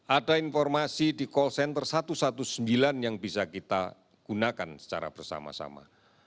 ada informasi di call center satu ratus sembilan belas yang bisa kita gunakan secara bersama sama